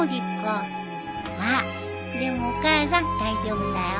あっでもお母さん大丈夫だよ。